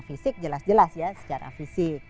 fisik jelas jelas ya secara fisik